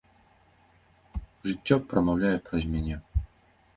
Жыццё прамаўляе праз мяне.